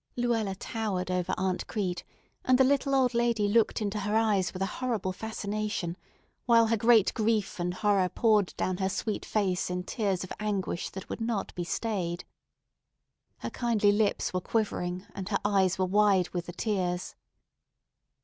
'"] Luella towered over Aunt Crete, and the little old lady looked into her eyes with a horrible fascination, while her great grief and horror poured down her sweet face in tears of anguish that would not be stayed. Her kindly lips were quivering, and her eyes were wide with the tears.